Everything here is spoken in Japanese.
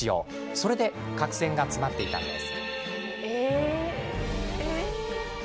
それで角栓が詰まっていたんです。